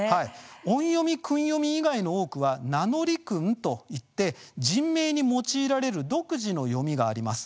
音読み訓読み以外の多くは名乗り訓と言って人名に用いられる独自の読みとも言えます。